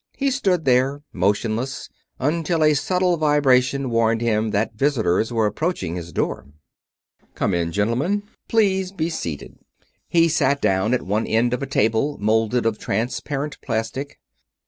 He stood there, motionless, until a subtle vibration warned him that visitors were approaching his door. "Come in, gentlemen.... Please be seated." He sat down at one end of a table molded of transparent plastic.